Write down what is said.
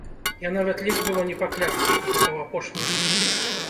Я нават ледзь было не пакляўся, што гэта ў апошні раз.